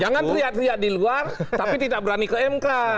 jangan riak riak di luar tapi tidak berani ke mk